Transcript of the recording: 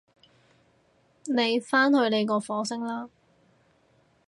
你返去你個火星啦